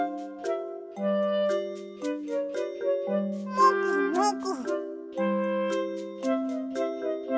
もぐもぐ。